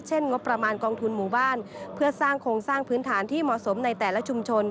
งบประมาณกองทุนหมู่บ้านเพื่อสร้างโครงสร้างพื้นฐานที่เหมาะสมในแต่ละชุมชน